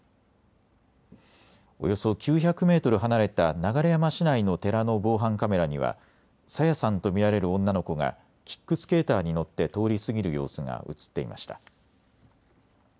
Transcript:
およそ９００メートル離れた流山市内の寺の防犯カメラには朝芽さんと見られる女の子がキックスケーターに乗って通り過ぎる様子が写っていました。